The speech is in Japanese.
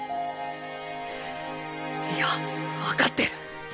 いや分かってる。